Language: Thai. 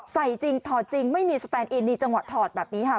ใส่จริงถอดจริงไม่มีสแตนอินนี่จังหวะถอดแบบนี้ค่ะ